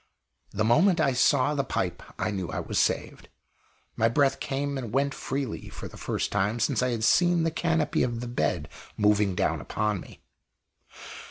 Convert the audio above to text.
The moment I saw the pipe I knew I was saved. My breath came and went freely for the first time since I had seen the canopy of the bed moving down upon me!